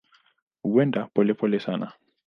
Huenda polepole sana.